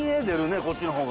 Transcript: ・こっちの方が。